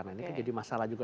nah ini kan jadi masalah juga